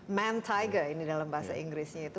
men tiger ini dalam bahasa inggrisnya itu